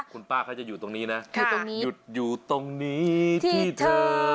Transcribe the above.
คุณป้าเขาจะอยู่ตรงนี้นะค่ะอยู่ตรงนี้อยู่ตรงนี้ที่เธอ